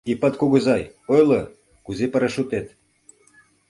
Ипат кугызай, ойло: кузе парашютет?